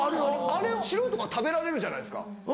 あれを白いところは食べられるじゃないですか。